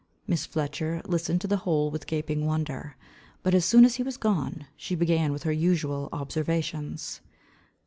Miss Fletcher listened to the whole with gaping wonder. But as soon as he was gone, she began with her usual observations.